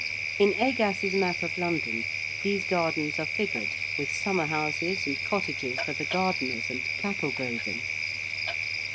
In Agas's map of London these gardens are figured, with summer houses and cottages for the gardeners and cattle grazing.